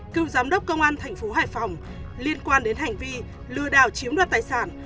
cựu giám đốc công an thành phố hải phòng liên quan đến hành vi lừa đảo chiếm đoạt tài sản